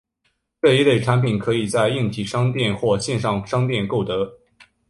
这一类产品可以在硬体商店或线上商店购得。